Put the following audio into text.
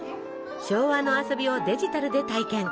昭和の遊びをデジタルで体験！